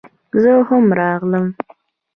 زه هم راغلم